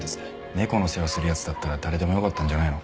猫の世話する奴だったら誰でもよかったんじゃないの？